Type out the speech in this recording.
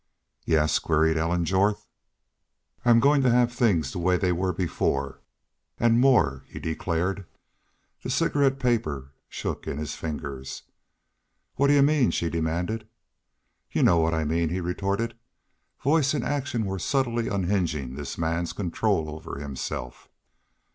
"Yes?" queried Ellen Jorth. "I'm goin' to have things the way they were before an' more," he declared. The cigarette paper shook in his fingers. "What do y'u mean?" she demanded. "Y'u know what I mean," he retorted. Voice and action were subtly unhinging this man's control over himself.